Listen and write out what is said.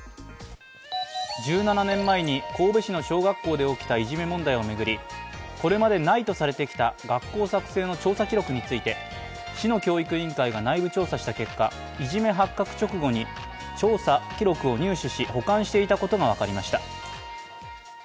１７年前に神戸市の小学校で起きたいじめ問題を巡り、これまで、ないとされてきた学校作成の調査記録について市の教育委員会が内部調査した結果、いじめ発覚直後に調査記録を入手し、保管していたことが分かりました。